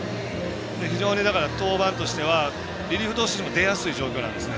非常に登板としてはリリーフ投手陣も出やすい状況なんですね。